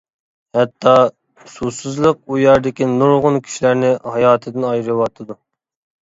ھەتتا، سۇسىزلىق ئۇ يەردىكى نۇرغۇن كىشىلەرنى ھاياتىدىن ئايرىۋاتىدۇ.